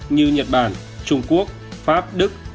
như nhật bản trung quốc pháp đức